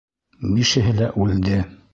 Бишеһе лә үлде.